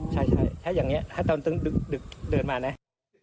ทางผู้ชมพอเห็นแบบนี้นะทางผู้ชมพอเห็นแบบนี้นะ